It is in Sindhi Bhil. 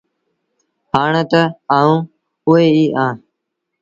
آڻو تا آئوٚنٚ اوٚ ئيٚ اهآنٚ۔